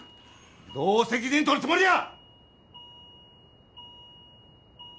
どう責任取るつもりや！